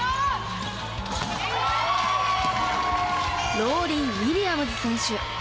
ローリー・ウィリアムズ選手。